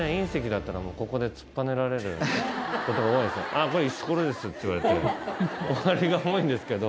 「ああこれ石ころです」って言われて終わりが多いんですけど。